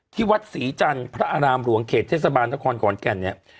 ที่วัดศรีจันทร์พระอารามหลวงเขตเทศบาลนครขอนแก่นเนี่ย